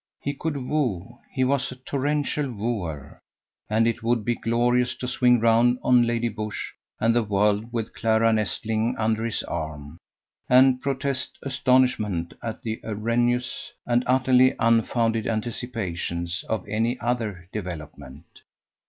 He could woo, he was a torrential wooer. And it would be glorious to swing round on Lady Busshe and the world, with Clara nestling under an arm, and protest astonishment at the erroneous and utterly unfounded anticipations of any other development.